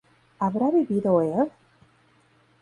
¿habrá vivido él?